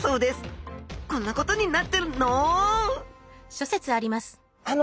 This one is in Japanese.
こんなことになってるのう？